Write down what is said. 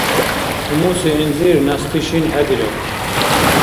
Умуси гӀинзир нясти шин хӀедирар.